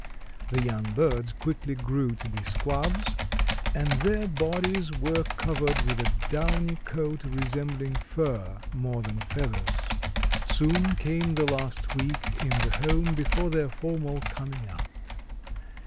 The young birds quickly grew to be squabs, and their bodies were covered with a downy coat resembling fur more than feathers. Soon came the last week in the home before their formal "coming out."